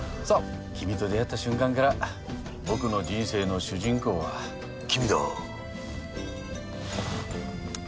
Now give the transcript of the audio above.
そっ君と出会った瞬間から僕の人生の主人公は君だー